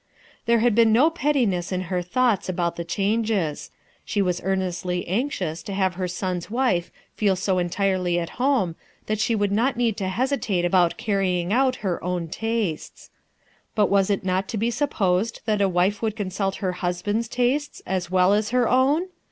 There had been no pettiness in her thoughts about the changes. She was earnestly anxious ACCIDENT OR DESIGN? 157 ,| iave her son's wife feel so entirely at home that she would no ^ nce ^^° hesitate about carry . oU t her own tastes. But was it not to be imposed that a wife would consult her husband's tastes as wen aa her own?